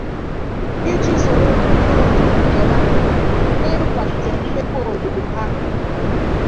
iji soro tụnye ụtụ nke ha n'ịkwalite mmepe obodo ha